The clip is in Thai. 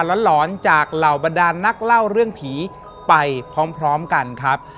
หลอนจากเหล่าบรรดานนักเล่าเรื่องผีไปพร้อมกันครับ